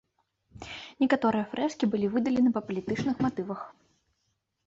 Некаторыя фрэскі былі выдаленыя па палітычных матывах.